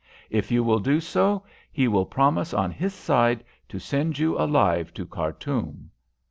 If you will do so, he will promise on his side to send you alive to Khartoum."